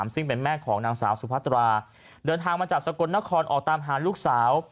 ซึ่งเป็นแม่ของนางสาวสุพัตราเดินทางมาจากสกลนครออกตามหาลูกสาว